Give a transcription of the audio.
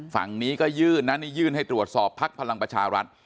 ฝั่งนี้ก็ยื่นนะนี่ยื่นให้ตรวจสอบพักพลังประชารัฐ